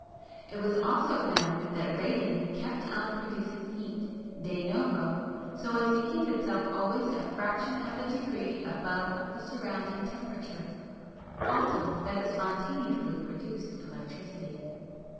It was also found that radium kept on producing heat de novo so as to keep itself always a fraction of a degree ABOVE THE SURROUNDING TEMPERATURE; also that it spontaneously PRODUCED ELECTRICITY."